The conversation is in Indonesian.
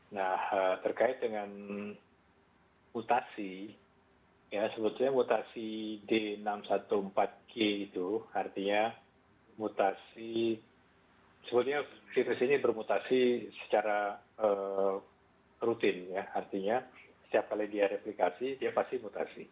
nah terkait dengan mutasi ya sebetulnya mutasi d enam ratus empat belas g itu artinya mutasi sebetulnya virus ini bermutasi secara rutin ya artinya setiap kali dia replikasi dia pasti mutasi